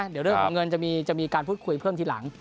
เดี๋ยวเรื่องของเงินจะมีการพูดคุยเพิ่มทีหลัง